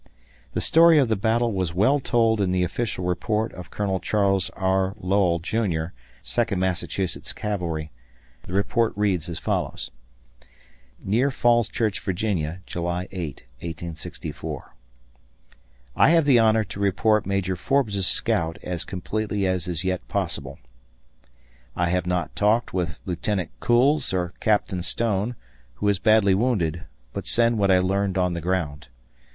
The story of the battle was well told in the official report of Colonel Charles R. Lowell, Jr., Second Massachusetts Cavalry. The report reads :] Near Falls Church, Va., July 8, 1864. I have the honor to report Major Forbes' scout as completely as is yet possible. I have not talked with Lieutenant Kuhls or Captain Stone, who is badly wounded, but send what I learned on the ground.